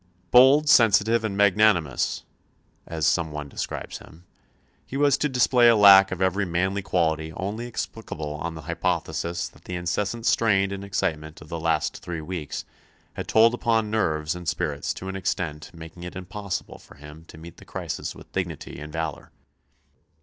"Bold, sensitive, and magnanimous," as some one describes him, he was to display a lack of every manly quality only explicable on the hypothesis that the incessant strain and excitement of the last three weeks had told upon nerves and spirits to an extent making it impossible for him to meet the crisis with dignity and valour.